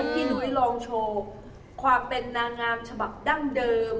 หนุ้ยลองโชว์ความเป็นนางงามฉบับดั้งเดิม